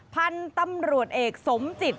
พันธุ์ตำรวจเอกสมจิต